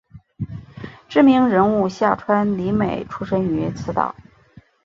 知名人物夏川里美出身于此岛。